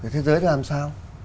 thế giới làm sao